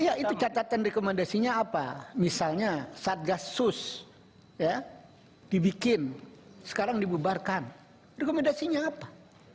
ya itu catatan rekomendasinya apa misalnya saat gas sus dibikin sekarang dibubarkan rekomendasinya apa